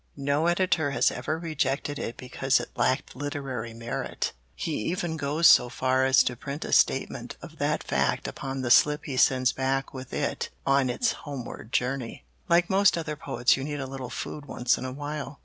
No editor has ever rejected it because it lacked literary merit. He even goes so far as to print a statement of that fact upon the slip he sends back with it on its homeward journey. Like most other poets you need a little food once in awhile.